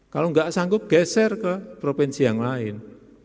kalau nggak sanggup geser ke provinsi yang lain